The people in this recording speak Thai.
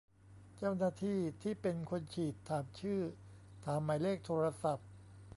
เจ้าหน้าที่ที่เป็นคนฉีด ถามชื่อ ถามหมายเลขโทรศัพท์